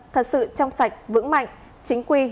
thật sự trong sạch vững mạnh chính quy